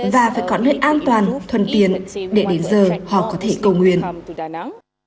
và phải có nơi an toàn thuần tiện để đến giờ họ có thể tham gia